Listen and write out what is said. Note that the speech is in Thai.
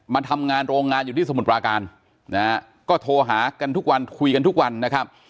มาทำงานโรงงานอยู่ที่สมุทรปราการนะฮะก็โทรหากันทุกวันคุยกันทุกวันนะครับ